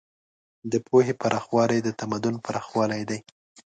د پوهې پراخوالی د تمدن پراخوالی دی.